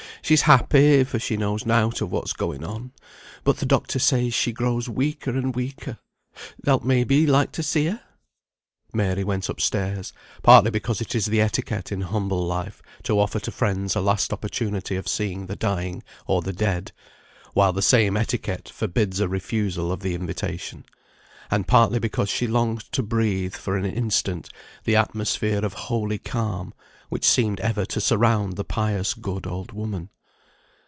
She's happy, for she knows nought of what's going on; but th' doctor says she grows weaker and weaker. Thou'lt may be like to see her?" Mary went up stairs: partly because it is the etiquette in humble life to offer to friends a last opportunity of seeing the dying or the dead, while the same etiquette forbids a refusal of the invitation; and partly because she longed to breathe, for an instant, the atmosphere of holy calm, which seemed ever to surround the pious good old woman.